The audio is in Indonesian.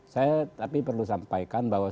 saya tapi perlu sampaikan bahwa